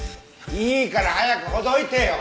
いいから早くほどいてよ。